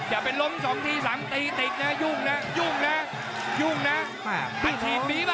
เหมือนเนอร์มากนะ